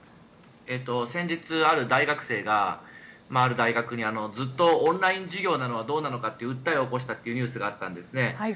先日、ある大学生がある大学にずっとオンライン授業なのはどうなのかという訴えを起こしたというニュースがあったんですね。